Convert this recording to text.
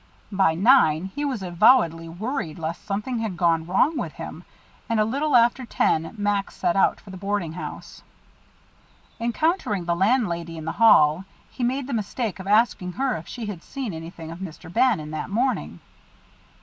By nine he was avowedly worried lest something had gone wrong with him, and a little after ten Max set out for the boarding house. Encountering the landlady in the hall, he made the mistake of asking her if she had seen anything of Mr. Bannon that morning.